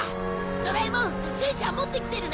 ドラえもん戦車は持ってきてるね？